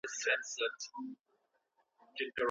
که درس د لوبې په ډول وي نو ماشومان یې خوښوي.